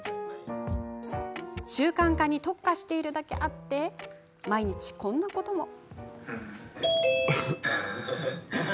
習慣化に特化しているだけあって毎日こんなことも。